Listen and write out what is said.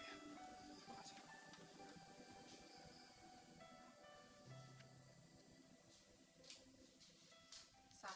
terima kasih gan